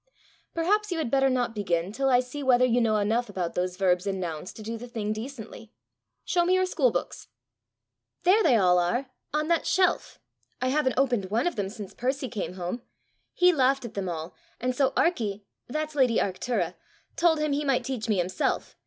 Perhaps you had better not begin till I see whether you know enough about those verbs and nouns to do the thing decently. Show me your school books." "There they all are on that shelf! I haven't opened one of them since Percy came home. He laughed at them all, and so Arkie that's lady Arctura, told him he might teach me himself.